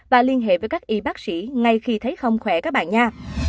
và liên hệ với các y bác sĩ ngay khi thấy không khỏe các bạn nha